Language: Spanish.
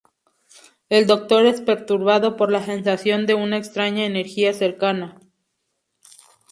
El Doctor es perturbado por la sensación de una extraña energía cercana.